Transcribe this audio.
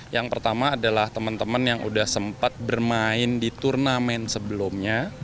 yang pertama adalah teman teman yang sudah sempat bermain di turnamen sebelumnya